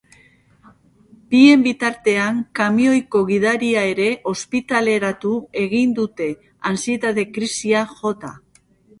Bien bitartean, kamioiko gidaria ere ospitaleratu egin dute, antsietate krisiak jota.